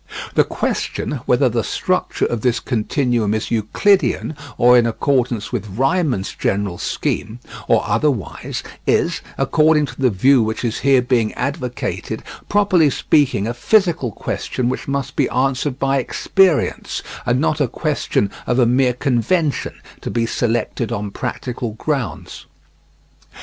The question whether the structure of this continuum is Euclidean, or in accordance with Riemann's general scheme, or otherwise, is, according to the view which is here being advocated, properly speaking a physical question which must be answered by experience, and not a question of a mere convention to be selected on practical grounds.